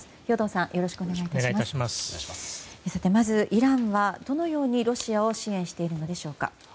さて、まずイランはどのようにロシアを支援しているのでしょうか。